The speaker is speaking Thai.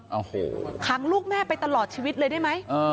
เหมือนเดิมเอาคือคังลูกแม่ไปตลอดชีวิตเลยได้ไหมเออ